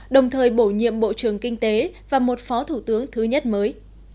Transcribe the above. đồng thời bổ nhiệm bộ trưởng kinh tế và một phó thủ tướng thứ nhất mới